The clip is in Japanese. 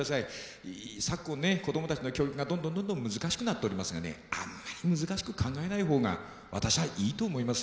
昨今ね子供たちの教育がどんどんどんどん難しくなっておりますがねあんまり難しく考えない方が私はいいと思いますよ。